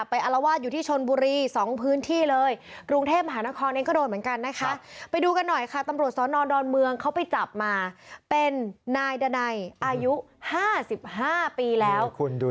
ไปดูกันหน่อยค่ะตำรวจสวนอนดอลเมืองเข้าไปจับมาเป็นนายดันในอายุ๕๕ปีแล้ว